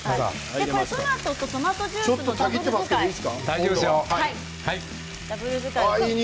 トマトとトマトジュースのダブル使い。